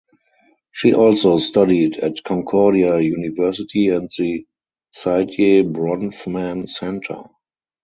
She also studied at Concordia University and the Saidye Bronfman Centre.